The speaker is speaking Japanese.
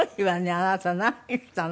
あなた何したの？